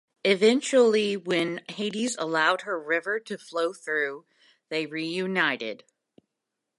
Eventually when Hades allowed her river to flow through, they reunited.